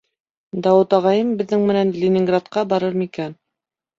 Дауыт ағайым беҙҙең менән Ленинградка барыр микән?